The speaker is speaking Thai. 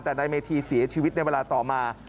แต่นายเมธีเสียชีวิตในเวลาต่อมา